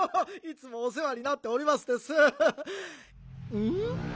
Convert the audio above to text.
いつもおせわになっておりますです！